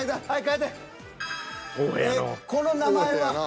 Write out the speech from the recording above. ええこの名前は？